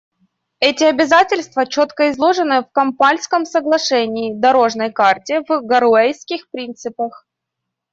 Эти обязательства четко изложены в Кампальском соглашении, «дорожной карте» и «Гароуэсских принципах».